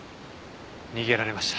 逃げられました。